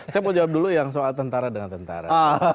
saya mau jawab dulu yang soal tentara dengan tentara